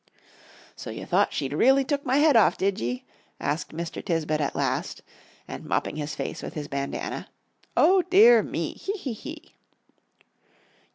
"So you thought she'd really took my head off, did ye?" asked Mr. Tisbett at last, and mopping his face with his bandanna. "O dear me! Hee hee hee!"